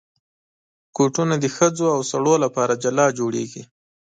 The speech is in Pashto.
بوټونه د ښځو او سړیو لپاره جلا جوړېږي.